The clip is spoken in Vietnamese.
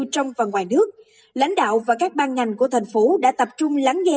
trong và ngoài nước lãnh đạo và các ban ngành của thành phố đã tập trung lắng nghe